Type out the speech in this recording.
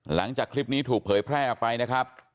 หลังจากคลิปนี้ถูกเผยแพร่ออกไปนะครับ